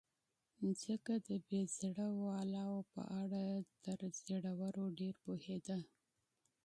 ځکه د بې زړه والاو په اړه تر زړورو ډېر پوهېده.